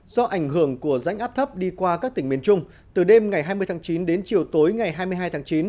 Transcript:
do ảnh hưởng của rãnh áp thấp đi qua các tỉnh miền trung từ đêm ngày hai mươi tháng chín đến chiều tối ngày hai mươi hai tháng chín